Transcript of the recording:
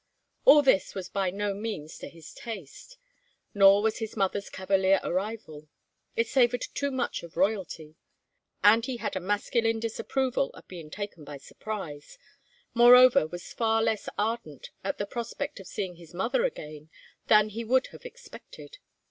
All this was by no means to his taste. Nor was his mother's cavalier arrival. It savored too much of royalty. And he had a masculine disapproval of being taken by surprise; moreover was far less ardent at the prospect of seeing his mother again than he would have expected.